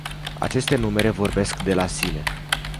Aceste numere vorbesc de la sine.